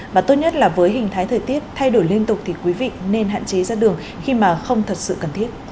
và tốt nhất là với hình thái thời tiết thay đổi liên tục thì quý vị nên hạn chế ra đường khi mà không thật sự cần thiết